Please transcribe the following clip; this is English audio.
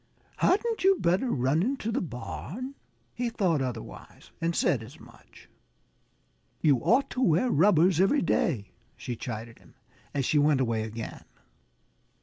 "Hadn't you better run into the barn?" He thought otherwise and said as much. "You ought to wear rubbers every day," she chided him, as she went away again.